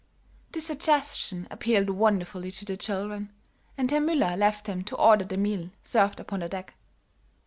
This suggestion appealed wonderfully to the children, and Herr Müller left them to order the meal served upon the deck.